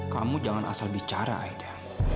kamu jangan asal bicara aida